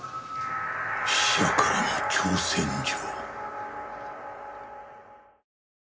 死者からの挑戦状。